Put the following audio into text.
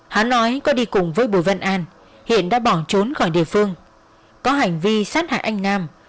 hắn nói có đi cùng với bùi văn an hiện đã bỏ trốn khỏi địa phương có hành vi sát hại anh nam